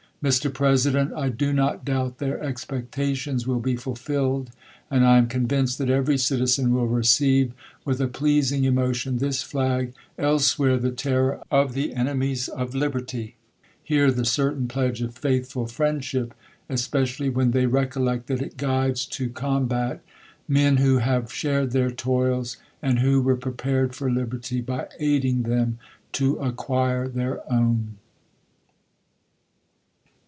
Mr, President, I do not doubt their expectations will be fulfilled ; and I am convinced, that every citizen will receive, with a pleasing emotion, this flag, elsewhere tjie terror of the enemies of liberty ; here the certain pledge of faithful friendship ; especially when they r^coUect that it guides to combat, men who have shared their toils, and who were prepared for liberty, by aiding th^m to s^cquire thqiv own.